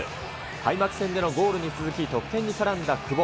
開幕戦でのゴールに続き、得点に絡んだ久保。